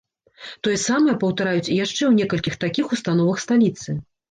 Тое самае паўтараюць і яшчэ ў некалькіх такіх установах сталіцы.